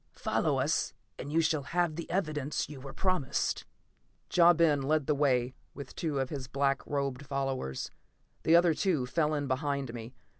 Follow us and you shall have the evidence you were promised." Ja Ben led the way with two of his black robed followers. The other two fell in behind me.